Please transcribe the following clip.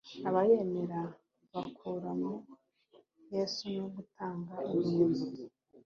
abayemera bakura mu Yesu no gutunga ibintu